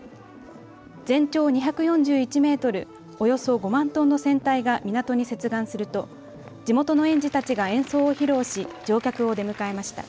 全長２４１メートル、およそ５万トンの船体が港に接岸すると地元の園児たちが演奏を披露し乗客を出迎えました。